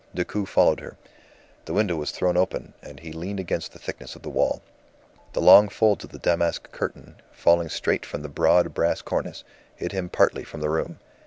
Decoud followed her. The window was thrown open, and he leaned against the thickness of the wall. The long folds of the damask curtain, falling straight from the broad brass cornice, hid him partly from the room.